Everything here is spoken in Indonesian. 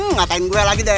ngatain gue lagi deh